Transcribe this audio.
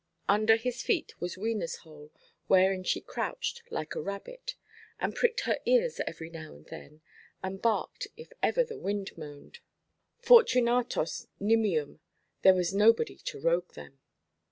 Under his feet was Wenaʼs hole, wherein she crouched like a rabbit, and pricked her ears every now and then, and barked if ever the wind moaned. Fortunatos nimium; there was nobody to rogue them.